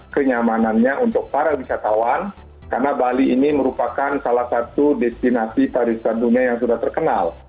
kenyamanannya untuk para wisatawan karena bali ini merupakan salah satu destinasi para wisata dunia yang sudah terkenal